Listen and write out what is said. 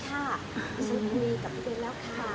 ฉันก็มีกับพี่เบ้นแล้วค่ะ